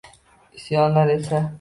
Isyonlar esa